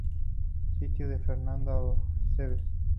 Sitio de Fernando Aceves